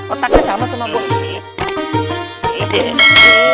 otaknya sama sama bos